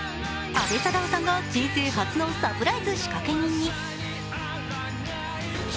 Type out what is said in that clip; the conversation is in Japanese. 阿部サダヲさんが人生初のサプライズ仕掛け人に。